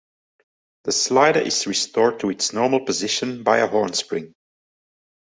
The slider is restored to its normal position by a horn spring.